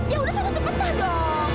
ya udah sangat sepetah dok